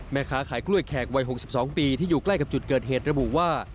แม่ค้าขายกล้วยแขกวัย๖๒ปีที่อยู่ใกล้กับจุดเกิดเหตุระบุว่า